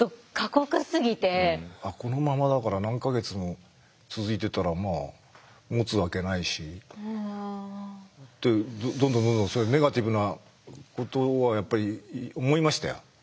このままだから何か月も続いてたらまあもつわけないしどんどんどんどんそういうネガティブなことはやっぱり思いましたよ。